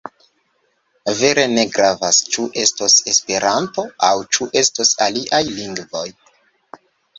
Vere ne gravas ĉu estos Esperanto aŭ ĉu estos aliaj lingvoj.